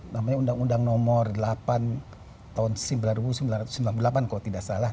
namanya undang undang nomor delapan tahun seribu sembilan ratus sembilan puluh delapan kalau tidak salah